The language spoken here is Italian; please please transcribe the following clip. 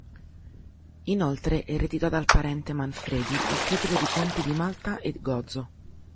Inoltre ereditò dal parente Manfredi il titolo di Conte di Malta e Gozo.